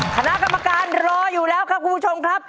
คณะกรรมการรออยู่แล้วครับคุณผู้ชมครับ